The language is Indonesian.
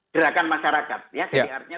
gerakan masyarakat sebiarnya